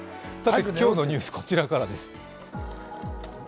今日のニュースこちらからです。